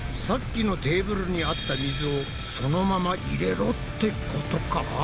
さっきのテーブルにあった水をそのまま入れろってことか？